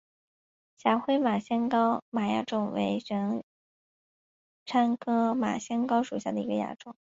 狭盔马先蒿黑毛亚种为玄参科马先蒿属下的一个亚种。